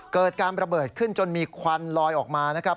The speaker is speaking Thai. เกิดการระเบิดขึ้นจนมีควันลอยออกมานะครับ